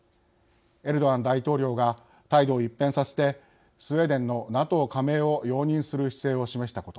エルドアン大統領が態度を一変させてスウェーデンのＮＡＴＯ加盟を容認する姿勢を示したこと。